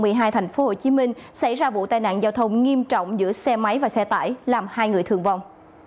quận một mươi hai thành phố hồ chí minh xảy ra vụ tai nạn giao thông nghiêm trọng giữa xe máy và xe tải làm hai người thương vong